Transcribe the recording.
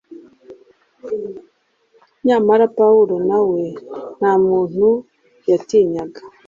Nyamara Pawulo we nta muntu yatinyaga.